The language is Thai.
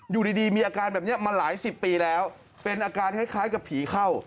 อยู่ดีมีอาการแบบนี้มาหลายสิบปีแล้วเป็นอาการคล้ายกับผีเข้า